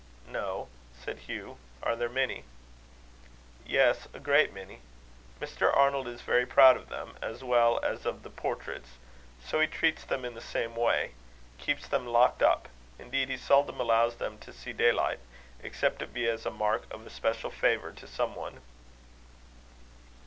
"No," said Hugh. "Are there many?" "Yes, a great many. Mr. Arnold is very proud of them, as well as of the portraits; so he treats them in the same way keeps them locked up. Indeed he seldom allows them to see daylight, except it be as a mark of especial favour to some one."